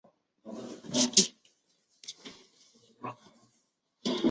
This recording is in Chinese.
陶绍景于乾隆三年。